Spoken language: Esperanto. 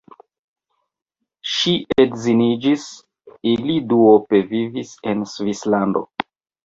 Ŝi edziniĝis, ili duope vivis en Svislando.